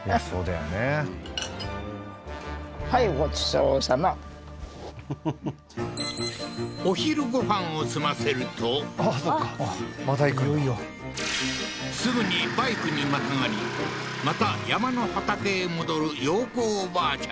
はっお昼ご飯を済ませるとあっそっかまた行くんだすぐにバイクにまたがりまた山の畑へ戻る洋子おばあちゃん